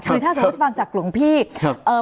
คือถ้าสมมติฟังจากหลวงพี่